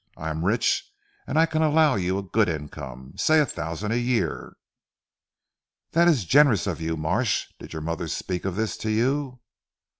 I am rich, and I can allow you a good income say a thousand a year." "That is generous of you Marsh. Did your mother speak of this to you?"